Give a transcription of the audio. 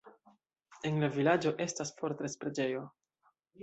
En la vilaĝo estas fortres-preĝejo.